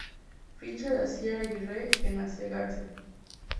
Ficha de Asier Agirre en Asegarce